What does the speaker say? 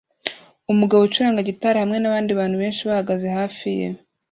Umugabo acuranga gitari hamwe nabandi bantu benshi bahagaze hafi ye